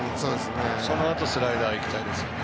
そのあとスライダーいきたいですね。